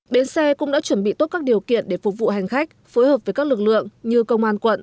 bến xe cũng đã chuẩn bị tốt các điều kiện để phục vụ hành khách phối hợp với các lực lượng như công an quận